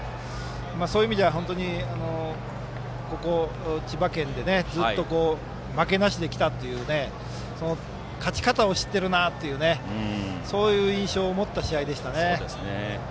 そういう意味では、ここ千葉県でずっと負けなしできたという勝ち方を知っているなという印象を持った試合でした。